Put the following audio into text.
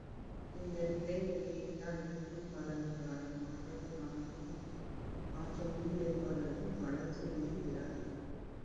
இந்த நிலை நீடித்தால் இன்னும் பல நூறு ஆயிரம் ஆண்டுகள் ஆனாலும் மாற்றமும் ஏற்படாது வளர்ச்சியும் இராது.